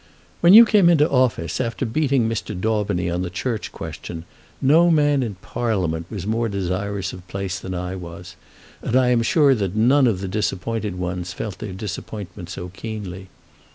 "When you came into office, after beating Mr. Daubeny on the Church question, no man in Parliament was more desirous of place than I was, and I am sure that none of the disappointed ones felt their disappointment so keenly.